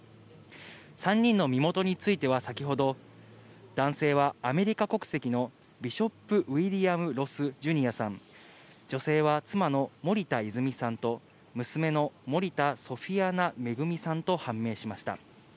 ３人の身元については先ほど、男性はアメリカ国籍のビショップ・ウィリアム・ロス・ジュニアさん、女性は妻の森田泉さんと、娘の森田ソフィアナ恵さんと判明しました。